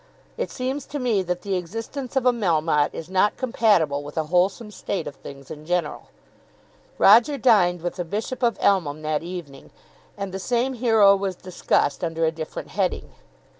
It seems to me that the existence of a Melmotte is not compatible with a wholesome state of things in general." Roger dined with the Bishop of Elmham that evening, and the same hero was discussed under a different heading.